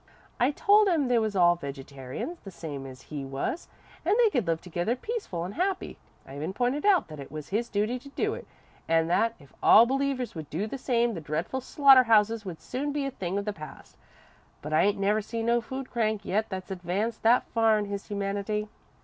I told him they was all vegetarians, the same as he was, an' they could live together peaceful an' happy. I even pointed out that it was his duty to do it, an' that if all believers would do the same, the dread slaughter houses would soon be a thing of the past, but I ain't never seen no food crank yet that's advanced that far in his humanity.